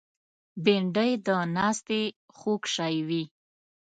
بېنډۍ د ناستې خوږ شی وي